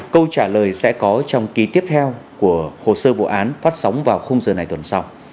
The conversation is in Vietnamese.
câu trả lời sẽ có trong ký tiếp theo của hồ sơ vụ án phát sóng vào giờ này tuần sau